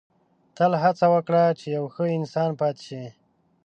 • تل هڅه وکړه چې یو ښه انسان پاتې شې.